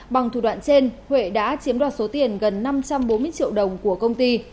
bằng thủ đoạn trên huệ đã chiếm đoạt số tiền gần năm trăm bốn mươi triệu đồng của công ty